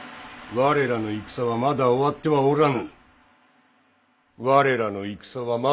我らの戦はまだ終わってはおらぬ！